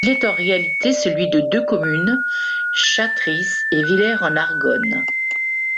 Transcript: Il est en réalité celui de deux communes, Châtrices et Villers-en-Argonne.